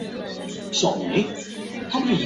克雷特维尔。